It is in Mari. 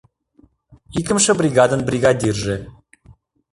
— Икымше бригадын бригадирже.